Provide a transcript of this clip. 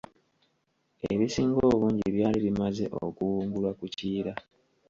Ebisinga obungi byali bimaze okuwungulwa ku Kiyira.